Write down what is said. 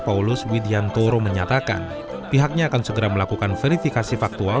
paulus widiantoro menyatakan pihaknya akan segera melakukan verifikasi faktual